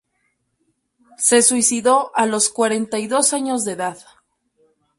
Se suicidó a los cuarenta y dos años de edad.